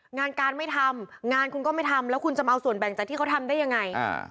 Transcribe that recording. งานการไม่ทำงานคุณก็ไม่ทำแล้วคุณจะมาเอาส่วนแบ่งจากที่เขาทำได้ยังไง